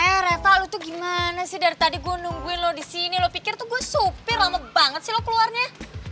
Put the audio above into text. eh reva lu tuh gimana sih dari tadi gue nungguin lo disini lo pikir tuh gue supir lama banget sih lo keluarnya